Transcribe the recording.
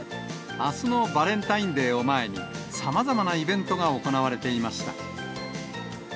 あすのバレンタインデーを前に、さまざまなイベントが行われていました。